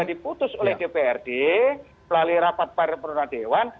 nanti kalau itu sudah diputus oleh dprd melalui rapat para perundang dewan